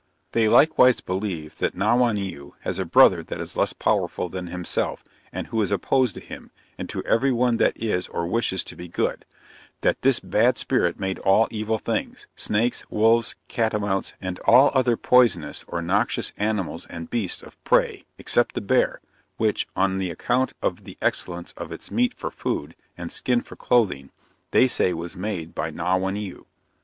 They likewise believe that Nauwaneu has a brother that is less powerful than himself, and who is opposed to him, and to every one that is or wishes to be good: that this bad Spirit made all evil things, snakes, wolves, catamounts, and all other poisonous or noxious animals and beasts of prey, except the bear, which, on the account of the excellence of its meat for food, and skin for clothing, they say was made by Nauwaneu.